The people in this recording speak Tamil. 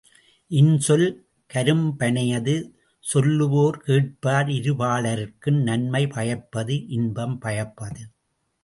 இன்சொல், கரும்பனையது சொல்லுவார் கேட்பார் இருபாலாருக்கும் நன்மை பயப்பது இன்பம் பயப்பது.